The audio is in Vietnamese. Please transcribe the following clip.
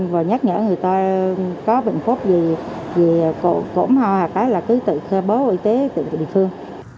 và nhắc nhở người ta có bệnh phúc gì cổm hoa cái là cứ tự bó y tế tự địa phương